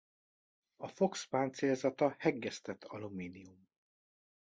A Fox páncélzata hegesztett alumínium.